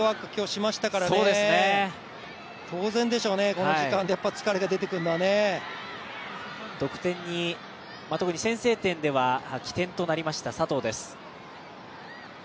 佐藤は攻守においてハードワーク今日はしましたから、当然でしょうね、この時間で疲れが出てくるのはね。得点に、特に先制点では起点となりました佐藤です。